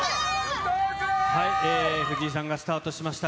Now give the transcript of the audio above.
藤井さんがスタートしました。